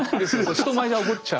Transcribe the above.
人前で怒っちゃう。